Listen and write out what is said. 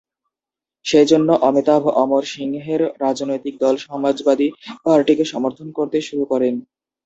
সেই জন্য অমিতাভ অমর সিংহের রাজনৈতিক দল সমাজবাদী পার্টিকে সমর্থন করতে শুরু করেন।